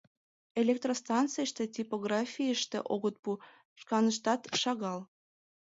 Электростанцийыште, типографийыште огыт пу, шканыштат шагал.